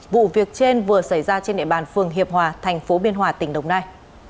vụ việc trên vừa xảy ra trên địa bàn phường hiệp hòa thành phố biên hòa tỉnh đồng nai